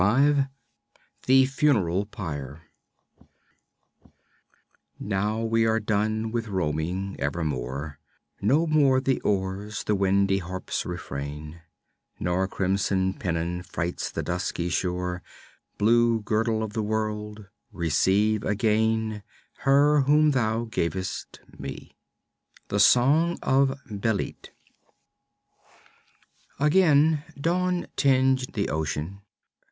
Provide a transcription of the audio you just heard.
5 The Funeral Pyre _Now we are done with roaming, evermore; No more the oars, the windy harp's refrain; Nor crimson pennon frights the dusky shore; Blue girdle of the world, receive again Her whom thou gavest me._ THE SONG OF BÊLIT Again dawn tinged the ocean.